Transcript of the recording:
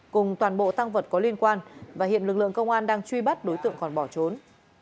cùng toàn bộ tăng vật có liên quan và hiện lực lượng công an đang truy bắt đối tượng còn bỏ trốn